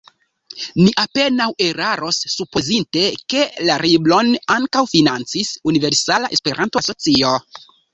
Ni apenaŭ eraros, supozinte ke la libron ankaŭ financis Universala Esperanto Asocio.